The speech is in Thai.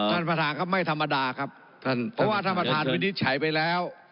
ท่านประธานครับไม่ธรรมดาครับท่านเพราะว่าท่านประธานวินิจฉัยไปแล้ว